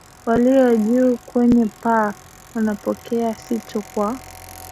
walio juu kwenye paa wanapokea fito kwa